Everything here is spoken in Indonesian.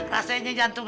mau ke warung